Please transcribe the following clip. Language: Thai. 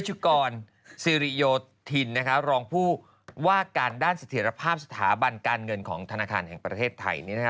ชุกรสิริโยธินรองผู้ว่าการด้านเสถียรภาพสถาบันการเงินของธนาคารแห่งประเทศไทย